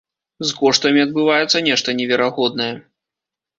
З коштамі адбываецца нешта неверагоднае.